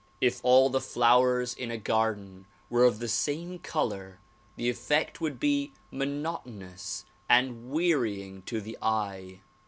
If all the flowers in a garden were of the same color, the effect would be monotonous and wearying to the eye.